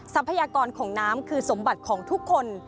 ทรัพยากรของน้ำคือสมบัติของทุกคน